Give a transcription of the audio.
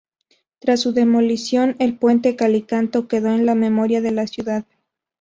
Tras su demolición, el Puente Calicanto quedó en la memoria de la ciudad.